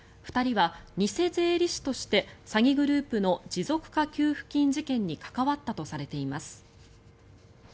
２人は偽税理士として詐欺グループの持続化給付金事件に関わったとされています。